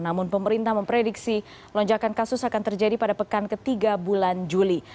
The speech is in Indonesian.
namun pemerintah memprediksi lonjakan kasus akan terjadi pada pekan ketiga bulan juli